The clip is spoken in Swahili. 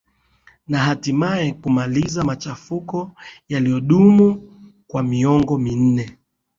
na hatimaye kumaliza machafuko yaliodumu kwa miongo minne